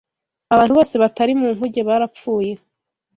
abantu bose batari mu nkuge barapfuye